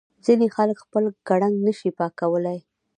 ځینې خلک خپل ګړنګ نه شي پاکولای.